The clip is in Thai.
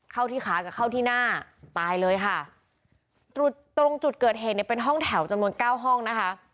เข้าที่ขากับเข้าที่หน้าตายเลยค่ะตรงตรงจุดเกิดเหตุเนี่ยเป็นห้องแถวจำนวนเก้าห้องนะคะ